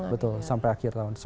betul sampai akhir tahun